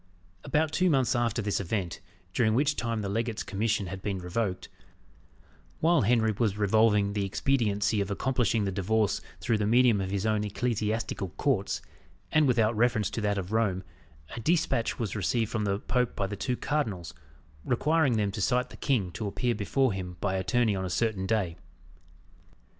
About two months after this event, during which time the legate's commission had been revoked, while Henry was revolving the expediency of accomplishing the divorce through the medium of his own ecclesiastical courts, and without reference to that of Rome, a despatch was received from the Pope by the two cardinals, requiring them to cite the king to appear before him by attorney on a certain day.